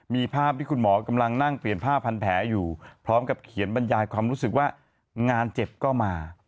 มีภาพที่คุณหมอกำลังนั่งเปลี่ยนผ้าพันแผลอยู่พร้อมกับเขียนบรรยายความรู้สึกว่างานเจ็บก็มา